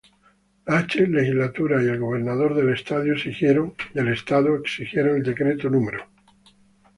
La H. Legislatura y el gobernador del estado, exigieron el decreto No.